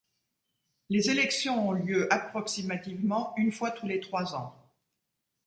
Les élections ont lieu, approximativement, une fois tous les trois ans.